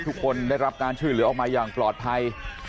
ทุกคนได้รับการช่วยเหลือออกมาอย่างปลอดภัย